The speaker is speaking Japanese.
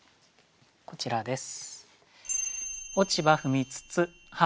こちらです。